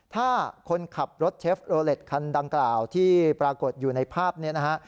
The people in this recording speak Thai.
ถ้าคนขับรถเชฟโลเล็ตคันดังกล่าวที่ปรากฏอยู่ในภาพนี้นะฮะ